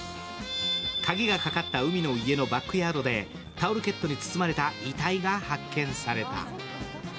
鍵がかかった海の家のバックヤードでタオルケットに包まれた遺体が発見された。